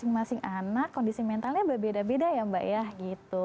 masing masing anak kondisi mentalnya berbeda beda ya mbak ya gitu